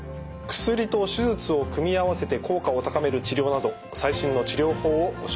薬と手術を組み合わせて効果を高める治療など最新の治療法をご紹介します。